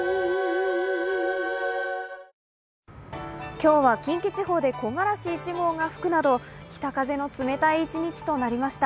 今日は近畿地方で木枯らし１号が吹くなど北風の冷たい一日となりました。